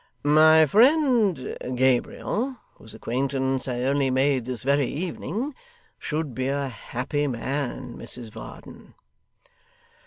'My friend Gabriel (whose acquaintance I only made this very evening) should be a happy man, Mrs Varden.